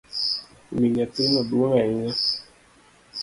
Wi nyathino duong’ ahinya